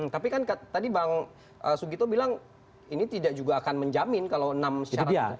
tapi kan tadi bang sugito bilang ini tidak juga akan menjamin kalau enam syarat